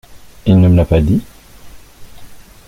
Il ne me l’a pas dit.